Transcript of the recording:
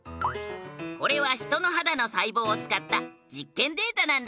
これは人の肌の細胞を使った実験データなんだ。